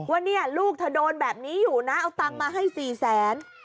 ว่าเนี่ยลูกเธอโดนแบบนี้อยู่นะเอาตังค์มาให้๔แสน